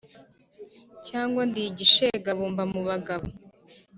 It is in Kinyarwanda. cyangwa ndi igishegabo mba mu bagabo